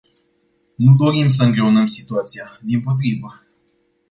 Nu dorim să îngreunăm situația, dimpotrivă!